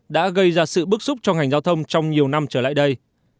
đã gây ra sự bức xúc trong hành giao thông trong nhiều năm trở lại đây